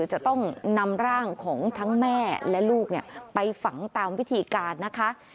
จะต้องนำร่างของทั้งแม่และลูกไปฝังตามวิธีการนะคะ